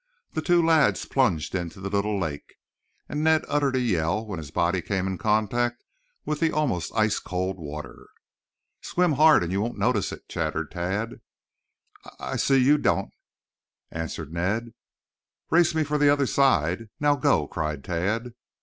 The two lads plunged into the little lake, and Ned uttered a yell when his body came in contact with the almost ice cold water. "Swim hard and you will not notice it," chattered Tad. "I s s s see you don't," answered Ned. "Race me for the other side. Now, go!" cried Tad.